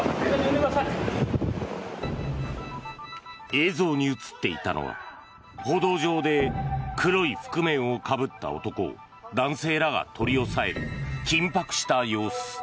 映像に映っていたのは歩道上で黒い覆面をかぶった男を男性らが取り押さえる緊迫した様子。